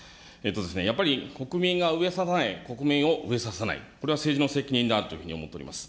やっぱり国民が飢えさせない、国民を飢えさせない、これは政治の責任だというふうに思っております。